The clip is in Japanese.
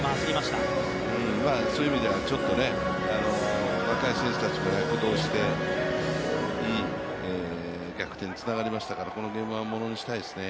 そういう意味ではちょっと、若い選手たちも躍動して逆転につながりましたからこのゲームはものにしたいですね。